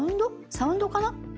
サウンドかな。